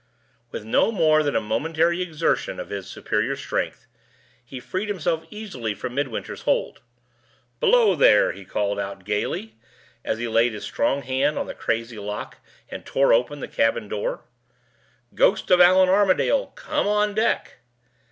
With no more than a momentary exertion of his superior strength, he freed himself easily from Midwinter's hold. "Below there!" he called out, gayly, as he laid his strong hand on the crazy lock, and tore open the cabin door. "Ghost of Allan Armadale, come on deck!"